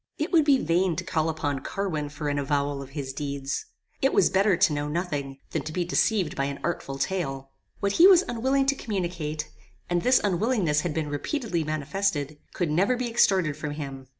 "It would be vain to call upon Carwin for an avowal of his deeds. It was better to know nothing, than to be deceived by an artful tale. What he was unwilling to communicate, and this unwillingness had been repeatedly manifested, could never be extorted from him.